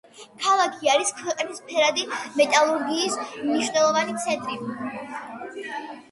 ქალაქი არის ქვეყნის ფერადი მეტალურგიის მნიშვნელოვანი ცენტრი.